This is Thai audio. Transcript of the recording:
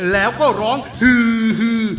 แล้วก็ร้องฮือฮือ